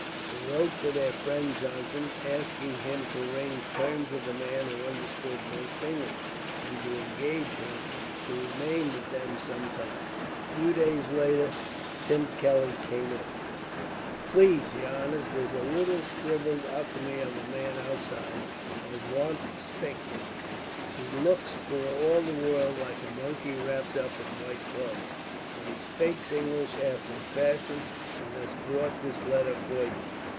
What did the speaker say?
They wrote to their friend Johnson, asking him to arrange terms with the man who understood most English, and to engage him to remain with them some time. A few days later, Tim Kelly came in. "Plase, yer honors, there's a little shrivelled atomy of a man outside, as wants to spake wid ye. He looks for all the world like a monkey, wrapped up in white clothes, but he spakes English after a fashion, and has brought this letter for you.